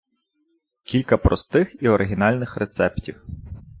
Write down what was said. КІЛЬКА ПРОСТИХ І ОРИГІНАЛЬНИХ РЕЦЕПТІВ